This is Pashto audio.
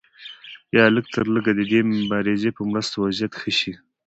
یا لږترلږه د دې مبارزې په مرسته وضعیت ښه شي.